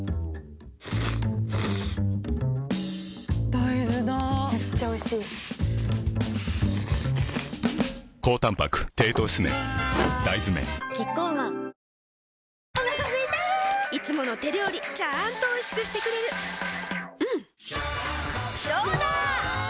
大豆だめっちゃおいしいわ大豆麺キッコーマンお腹すいたいつもの手料理ちゃんとおいしくしてくれるジューうんどうだわ！